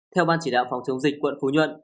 theo ban chỉ đạo phòng chống dịch quận phú nhuận